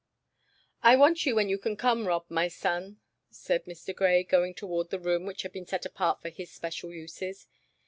"I want you when you can come, Rob, my son," said Mr. Grey, going toward the room which had been set apart for his special uses.